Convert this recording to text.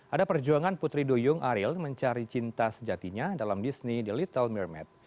ada perjuangan putri duyung ariel mencari cinta sejatinya dalam disney the little mermed